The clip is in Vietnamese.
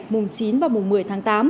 mùng chín và mùng một mươi một